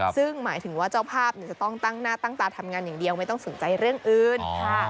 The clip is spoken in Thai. ซึ่งหมายถึงว่าเจ้าภาพจะต้องตั้งหน้าตั้งตาทำงานอย่างเดียวไม่ต้องสนใจเรื่องอื่น